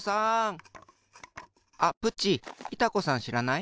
あっプッチいた子さんしらない？